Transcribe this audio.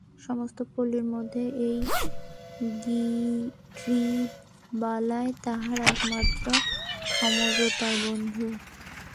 সমস্ত পল্লীর মধ্যে এই গিরিবালাই তাহার একমাত্র সমজদার বন্ধু।